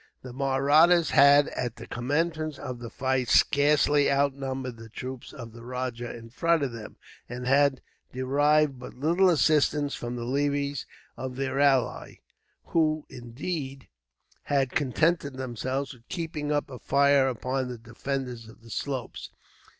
The Mahrattas had, at the commencement of the fight, scarcely outnumbered the troops of the rajah in front of them, and had derived but little assistance from the levies of their ally; who, indeed, had contented themselves with keeping up a fire upon the defenders of the slopes.